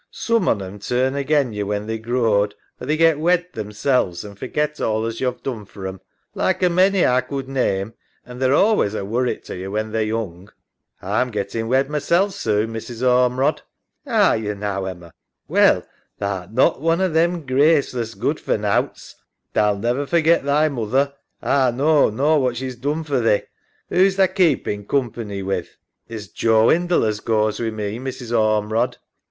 Soom on 'em turn again yo when they're growed or they get wed themselves an' forget all as yo've done for 'em, like a many A could name, and they're allays a worrit to yo when they're young. EMMA. A'm gettin' wed masel' soon, Mrs. Ormerod. SARAH. Are yo, now, Emma? Well, tha art not one o' them graceless good for nowts. Tha'll never forget thy moother, A knaw, nor what she's done for thee. Who's tha keepin' coompa, ny with.? EMMA. It's Joe Hindle as goes wi' me, Mrs. Ormerod.